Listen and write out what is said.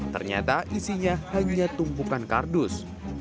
ternyata isinya hanya tumpukan kardus